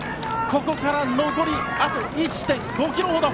ここから残りあと１．５ｋｍほど。